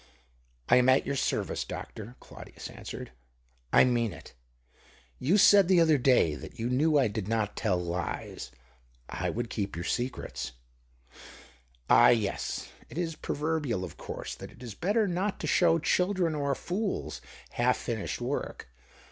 "I am at your service, doctor," Claudius answered. " I mean it. You said the other day that you knew I did not tell lies : I would keep your secrets." " Ah, yes ; it is proverbial, of course, that it is better not to show children or fools half finished work